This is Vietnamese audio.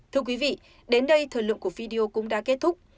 thưa quý vị đến đây thời lượng của video cũng đã kết thúc